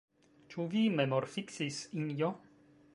Ĉu vi memorfiksis, Injo?